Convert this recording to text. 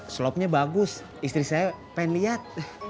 slopnya bagus istri saya pengen lihat